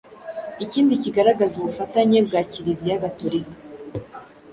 Ikindi kigaragaza ubufatanye bwa Kiliziya gatolika